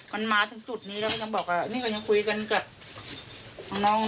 มันมาถึงจุดนี้แล้วก็ยังบอกว่านี่ก็ยังคุยกันกับน้อง